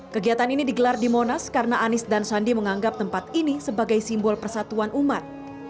kegiatan ini digelar di monas karena anies dan sandi menganggap tempat ini sebagai simbol persatuan umat